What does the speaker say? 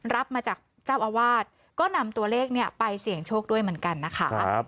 รับมาจากเจ้าอาวาสก็นำตัวเลขเนี่ยไปเสี่ยงโชคด้วยเหมือนกันนะคะ